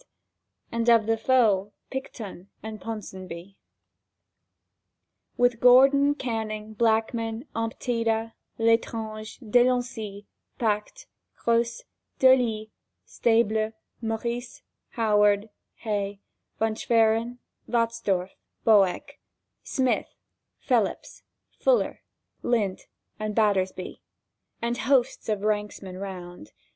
... And of the foe Picton and Ponsonby; With Gordon, Canning, Blackman, Ompteda, L'Estrange, Delancey, Packe, Grose, D'Oyly, Stables, Morice, Howard, Hay, Von Schwerin, Watzdorf, Boek, Smith, Phelips, Fuller, Lind, and Battersby, And hosts of ranksmen round